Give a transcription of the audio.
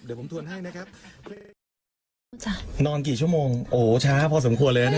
เดี๋ยวผมทวนให้นะครับนอนกี่ชั่วโมงโอ้โหช้าพอสมควรเลยนะ